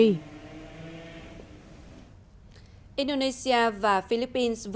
indonesia và philippines vừa nhất trí trong việc tăng cường tình nghi khủng bố của cảnh sát bỉ